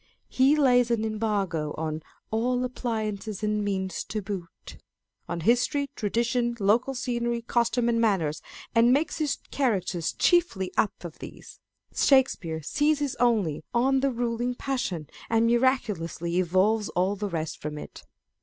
He lays an embargo on " all appliances and means to boot," on history, tradition, local scenery, costume and manners, and makes his characters chiefly up of these. Shakespeare seizes only on the ruling passion, and miraculously evolves all the rest from it.